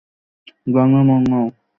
ডানে মোড় নাও।